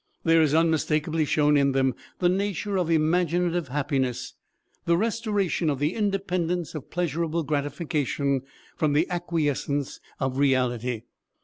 There is unmistakably shown in them the nature of imaginative happiness, the restoration of the independence of pleasurable gratification from the acquiescence of reality.